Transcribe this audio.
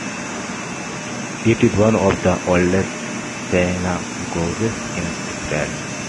It is one of the oldest synagogues in Israel.